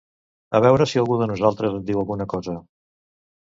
A veure si algú de nosaltres en diu alguna cosa.